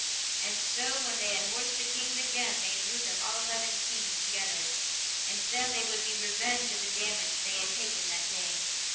And so when they had horsed the kings again they drew them, all eleven kings, together, and said they would be revenged of the damage that they had taken that day.